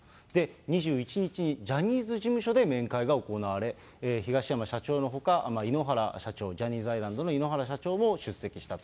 ２１日にジャニーズ事務所で面会が行われ、東山社長のほか、井ノ原社長、ジャニーズアイランドの井ノ原社長も出席したと。